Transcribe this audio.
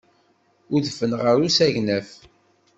Udfen ɣer usegnaf.